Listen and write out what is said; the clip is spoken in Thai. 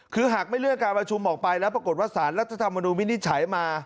คือหากไม่เลื่อนการประชุมออกไปแล้วปรากฏว่าสารรัฐธรรมนุนวินิจฉัยมา